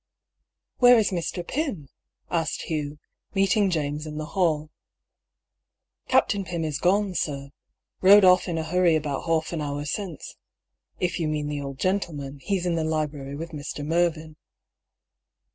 " Where is Mr. Pym ?" asked Hugh, meeting James in the hall. "Captain Pym is gone, sir. Bode off in a hurry about half an hour since. If you mean the old gentle man, he's in the library with Mr. Mervyn."